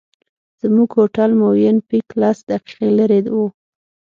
زموږ هوټل مووېن پېک لس دقیقې لرې و.